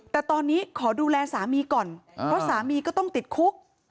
แต่ตอนนี้ขอดูแลสามีก่อนเพราะสามีก็ต้องติดคุก